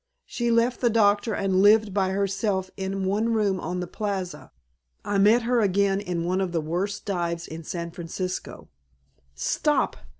She left the doctor and lived by herself in one room on the Plaza. I met her again in one of the worst dives in San Francisco " "Stop!"